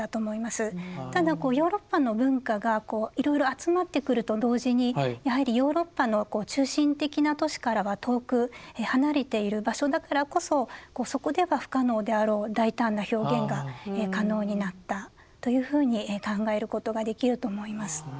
ただヨーロッパの文化がいろいろ集まってくると同時にやはりヨーロッパの中心的な都市からは遠く離れている場所だからこそそこでは不可能であろう大胆な表現が可能になったというふうに考えることができると思います。